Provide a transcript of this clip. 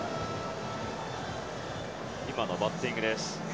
今のバッティングです。